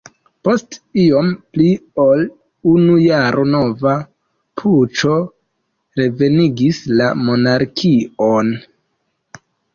Post iom pli ol unu jaro nova puĉo revenigis la monarkion.